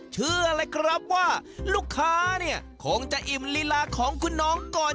เชื่อเลยครับว่าลูกค้าเนี่ยคงจะอิ่มลีลาของคุณน้องก่อน